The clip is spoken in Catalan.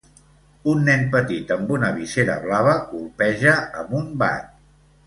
Un nen petit amb una visera blava colpeja amb un bat.